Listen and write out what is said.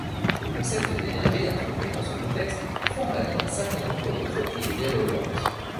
Le concept d'énergie introduit dans ce contexte formalise un certain nombre de propriétés relevantes.